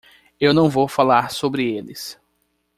Eu não vou falar sobre eles.